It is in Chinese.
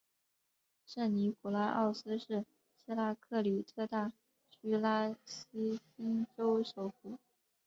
圣尼古拉奥斯是希腊克里特大区拉西锡州首府。